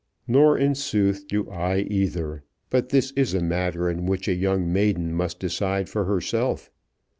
Nor in sooth do I either; but this is a matter in which a young maiden must decide for herself.